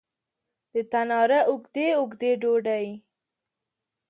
د تناره اوږدې، اوږدې ډوډۍ